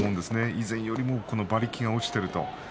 以前よりも馬力が落ちていると。